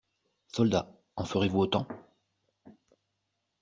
Soldats, en ferez-vous autant?